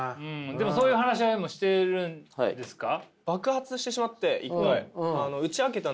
でもそういう話し合いもしてるんですか？